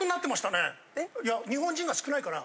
いや日本人が少ないから。